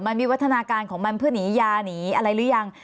วิวัฒนาการของมันเพื่อหนียาหนีอะไรหรือยัง